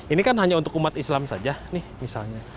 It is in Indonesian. ini kan hanya untuk umat islam saja nih misalnya